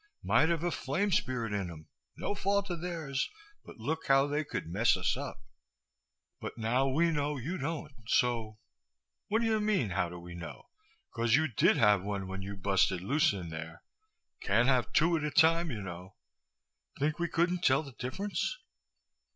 Might have a flame spirit in 'em, no fault of theirs, but look how they could mess us up. But now we know you don't, so What do you mean, how do we know? Cause you did have one when you busted loose in there. Can't have two at a time, you know. Think we couldn't tell the difference?"